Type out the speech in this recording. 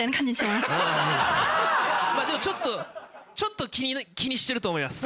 まぁでもちょっとちょっと気にしてると思います。